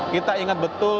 kita ingat betul